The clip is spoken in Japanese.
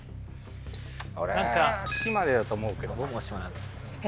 俺は島根だと思うけどな僕も島根だと思いますえ